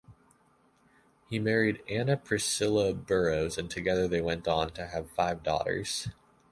He married Anna Priscilla Burroughs and together they went on to have five daughters.